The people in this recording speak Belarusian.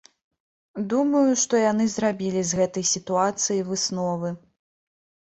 Думаю, што яны зрабілі з гэтай сітуацыі высновы.